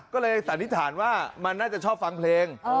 ก็เลยสันนิษฐานว่ามันน่าจะชอบฟังเพลง